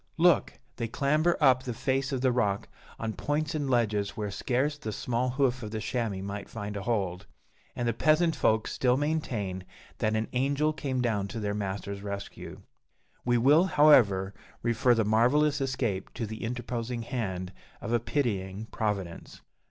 Look! They clamber up the face of the rock, on points and ledges where scarce the small hoof of the chamois might find a hold; and the peasant folk still maintain that an angel came down to their master's rescue. We will, however, refer the marvellous escape to the interposing hand of a pitying Providence.